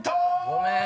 ごめん。